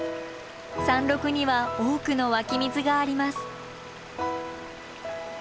山麓には多くの湧き水があります。